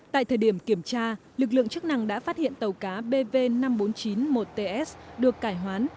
tại thời điểm kiểm tra lực lượng chức năng đã phát hiện tàu cá bv năm nghìn bốn trăm chín mươi một ts được cải hoán